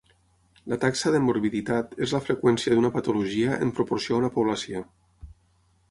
La taxa de morbiditat és la freqüència d'una patologia en proporció a una població.